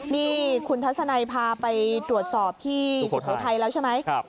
นี่คุณทัศนัยพาไปตรวจสอบที่สุโขทัยแล้วใช่ไหม